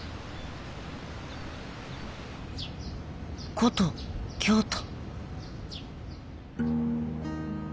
古都京都。